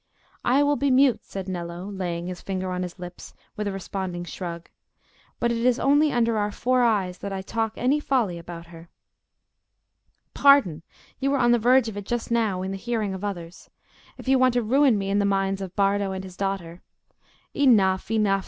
"I will be mute," said Nello, laying his finger on his lips, with a responding shrug. "But it is only under our four eyes that I talk any folly about her." "Pardon! you were on the verge of it just now in the hearing of others. If you want to ruin me in the minds of Bardo and his daughter—" "Enough, enough!"